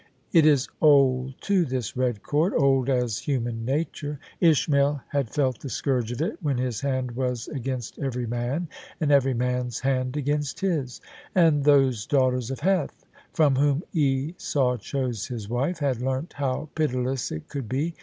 It is old too, this red cord — old as human nature. Ishmael had felt the scourge of it when his hand was against every man and every man's hand against his: and those daughters of Heth, from whom Esau chose his wife, had learnt how pitiless it could be.